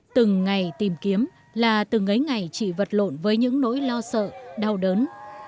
từng ngày tìm kiếm là từng ấy ngày chị vật lộn với những nỗi lo sợ đau đớn